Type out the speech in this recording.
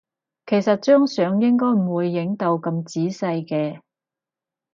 其實張相應該唔會影到咁仔細嘅